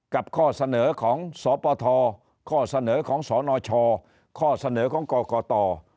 ข้อเสนอของสปทข้อเสนอของสนชข้อเสนอของกกต